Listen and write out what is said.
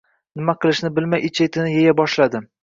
Nima qilishni bilmay ich-etimni eya boshladim